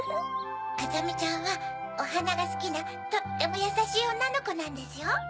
あざみちゃんはおはながスキなとってもやさしいおんなのコなんですよ。